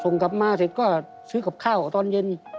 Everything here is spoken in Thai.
ส่งกลับมาเสร็จก็ซื้อกับข้าวตอนเย็น